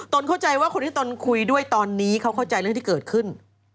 เข้าใจว่าคนที่ตนคุยด้วยตอนนี้เขาเข้าใจเรื่องที่เกิดขึ้น